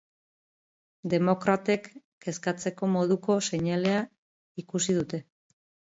Demokratek kezkatzeko moduko seinalea ikusi dute.